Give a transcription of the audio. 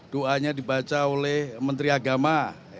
doanya dibaca oleh menteri agama